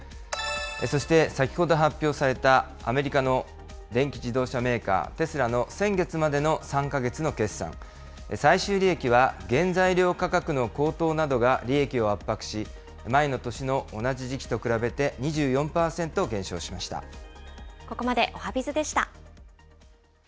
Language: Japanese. そして、先ほど発表されたアメリカの電気自動車メーカー、テスラの先月までの３か月の決算、最終利益は原材料価格の高騰などが利益を圧迫し、前の年の同じ時期とここまでおはＢｉｚでした。